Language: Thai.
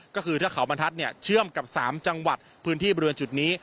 ก็คือเทือกเขาบรรทัศน์เชื่อมกับ๓จังหวัดพื้นที่บริเวณจุดนี้